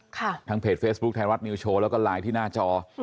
ทางเพจเฟซบุ๊คไทยรัฐนิวโชว์แล้วก็ไลน์ที่หน้าจอ